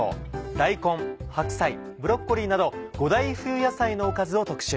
大根白菜ブロッコリーなど５大冬野菜のおかずを特集。